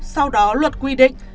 sau đó luật quy định